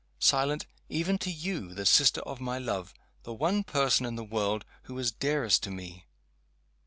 Silent even to you, the sister of my love the one person in the world who is dearest to me!